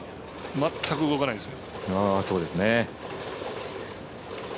全く動かないですね。